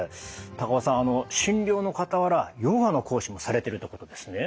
高尾さん診療の傍らヨガの講師もされてるってことですね。